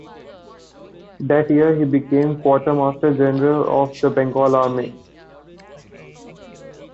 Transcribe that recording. That year he became Quartermaster-General of the Bengal Army.